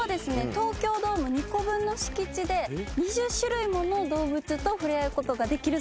東京ドーム２個分の敷地で２０種類もの動物と触れ合うことができるそうなんです。